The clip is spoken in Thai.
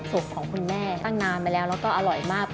ของคุณแม่ตั้งนานไปแล้วแล้วก็อร่อยมาก